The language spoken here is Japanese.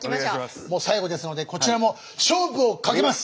もう最後ですのでこちらも勝負をかけます。